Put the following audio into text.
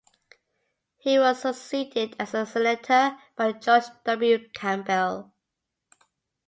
He was succeeded as senator by George W. Campbell.